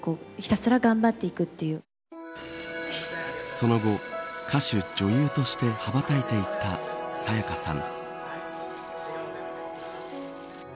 その後、歌手、女優として羽ばたいていった沙也加さん。